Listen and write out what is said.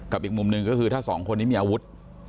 อีกมุมหนึ่งก็คือถ้าสองคนนี้มีอาวุธ